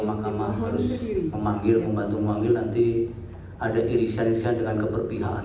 mahkamah harus memanggil membantu menganggil nanti ada irisan irisan dengan keperpihakan